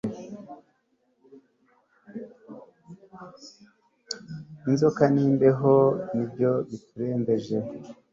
Inzoka nimbeho nibyo biturembeje